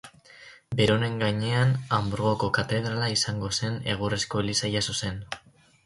Beronen gainean Hanburgoko katedrala izango zen egurrezko eliza jaso zen.